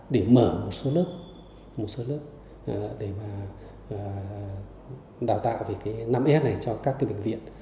để mở một số lớp một số lớp để mà đào tạo về cái năm s này cho các cái bệnh viện